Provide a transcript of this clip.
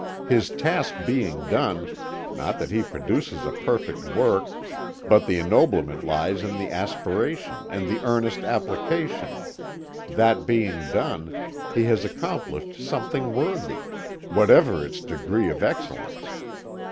His task being done not that he produces a perfect work, but the ennoblement lies in the aspiration and the earnest application that being done, he has accomplished something worthy, whatever its degree of excellence.